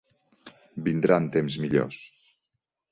Vindran temps millors.